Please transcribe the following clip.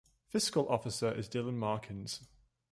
Fiscal Officer is Dylan Markins.